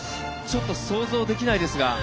ちょっと想像できないですが。